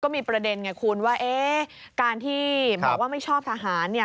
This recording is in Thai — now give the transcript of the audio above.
มีประเด็นไงคุณว่าการที่บอกว่าไม่ชอบทหาร